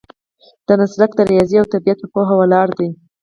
دا مسلک د ریاضي او طبیعت په پوهه ولاړ دی.